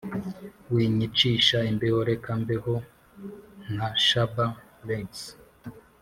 winyicisha imbeho reka mbeho nka shabba ranks